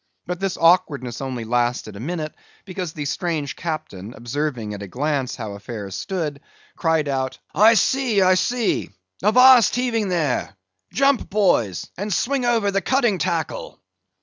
But this awkwardness only lasted a minute, because the strange captain, observing at a glance how affairs stood, cried out, "I see, I see!—avast heaving there! Jump, boys, and swing over the cutting tackle."